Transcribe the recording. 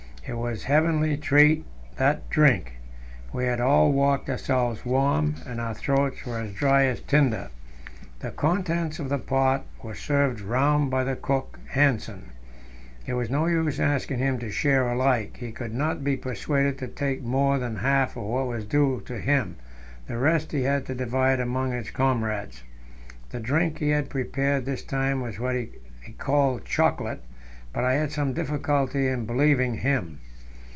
It was a heavenly treat, that drink. We had all walked ourselves warm, and our throats were as dry as tinder. The contents of the pot were served round by the cook Hanssen. It was no use asking him to share alike; he could not be persuaded to take more than half of what was due to him the rest he had to divide among his comrades. The drink he had prepared this time was what he called chocolate, but I had some difficulty in believing him.